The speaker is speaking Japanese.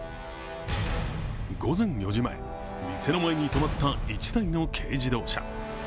午前４時前、店の前に止まった１台の軽自動車。